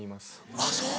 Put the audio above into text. あっそう。